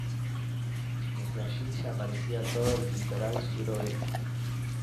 Desde allí se aprecia todo el litoral suroeste.